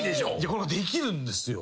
これができるんですよ。